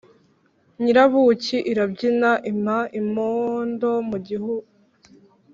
Nyirabuki irabyina impa.-Imondo mu gihu.